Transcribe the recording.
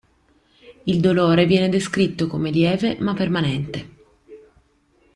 Il dolore viene descritto come lieve ma permanente.